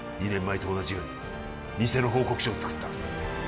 ２年前と同じように偽の報告書を作った